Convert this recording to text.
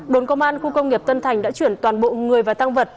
đồn công an khu công nghiệp tân thành đã chuyển toàn bộ người và tăng vật